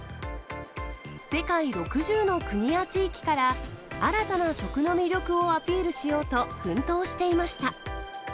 世界６０の国や地域から、新たな食の魅力をアピールしようと、奮闘していました。